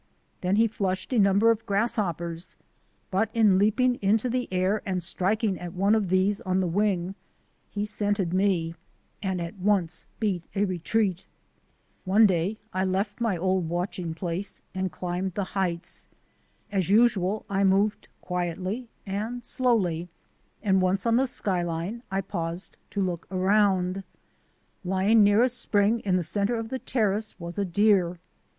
Then he flushed a number of grasshop pers; but in leaping into the air and striking at one of these on the wing he scented me and at once beat a retreat. One day I left my old watching place and climbed the heights. As usual I moved quietly and slowly, and once on the skyline I paused to look around. Lying near a spring in the centre of the terrace was a deer.